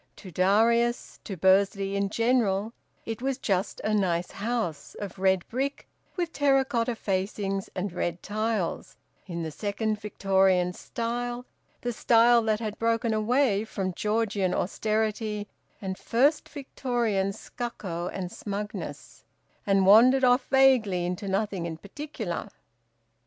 To Darius, to Bursley in general, it was just a nice house, of red brick with terra cotta facings and red tiles, in the second Victorian Style, the style that had broken away from Georgian austerity and first Victorian stucco and smugness, and wandered off vaguely into nothing in particular.